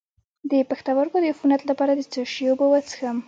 د پښتورګو د عفونت لپاره د څه شي اوبه وڅښم؟